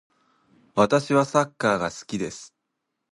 私はサッカーが好きです。